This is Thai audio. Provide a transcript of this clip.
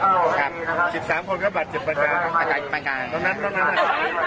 มาจากประเทศความลังเม้นภาคของพวกมัน